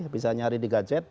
bisa nyari di gadget